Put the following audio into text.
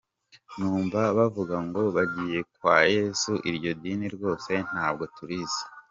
Numva bavuga ngo bagiye kwa Yesu iryo dini rwose ntabwo turizi.